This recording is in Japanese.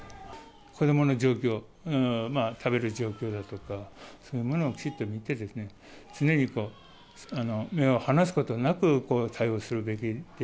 子どもの状況、食べる状況だとか、そういうものをきちっと見て、常に目を離すことなく、対応するべき。